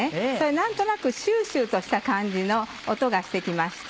何となくシュシュとした感じの音がして来ました。